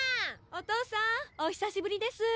おとうさんお久しぶりです。